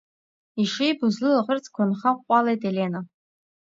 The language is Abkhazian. Ишибоз лылаӷырӡқәа нхаҟәҟәалеит Елена.